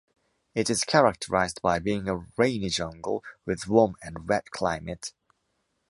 It is characterized by being a rainy jungle with warm and wet climate.